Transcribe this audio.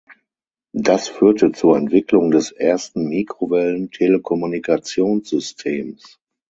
Das führte zur Entwicklung des ersten Mikrowellen-Telekommunikationssystems.